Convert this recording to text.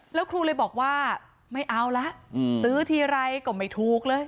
แล้วครูเลยบอกว่าไม่เอาละซื้อทีไรก็ไม่ถูกเลย